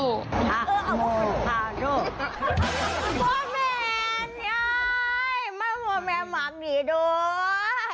โมเมนยายมาขวาแมรมักดูนะ